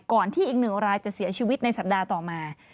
ที่อีกหนึ่งรายจะเสียชีวิตในสัปดาห์ต่อมา